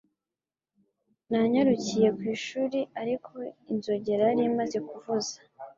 Nanyarukiye ku ishuri ariko inzogera yari imaze kuvuza